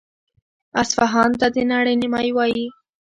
اصفهان ته د نړۍ نیمایي وايي.